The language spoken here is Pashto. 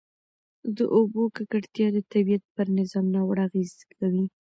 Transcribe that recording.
د اوبو ککړتیا د طبیعت پر نظام ناوړه اغېز کوي.